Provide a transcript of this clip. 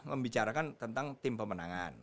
membicarakan tentang tim pemenangan